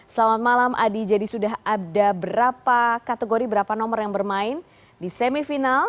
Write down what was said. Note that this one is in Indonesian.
selamat malam adi jadi sudah ada berapa kategori berapa nomor yang bermain di semifinal